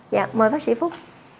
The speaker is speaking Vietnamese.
dạ mời bác sĩ phúc